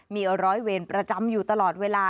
มีร้อยเวรประจำอยู่ตลอดเวลา